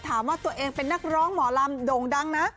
ถามว่าตัวเองเป็นนักร้องหมอลำโด่งดังนะ